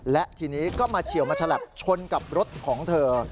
และทีนี้ก็มาเฉียวมาฉลับชนกับรถของเธอ